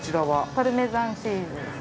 パルメザンチーズですね。